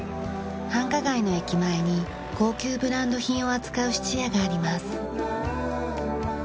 繁華街の駅前に高級ブランド品を扱う質屋があります。